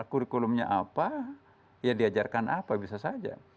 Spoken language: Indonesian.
kurikulumnya apa ya diajarkan apa bisa saja